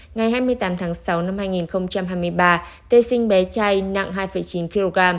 ngày hai mươi tám tháng sáu năm hai nghìn hai mươi ba tê sinh bé trai nặng hai chín kg